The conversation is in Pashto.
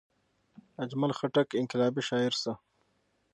اجمل خټک انقلابي شاعر شو.